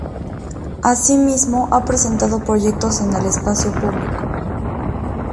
Así mismo, ha presentado proyectos en el espacio público.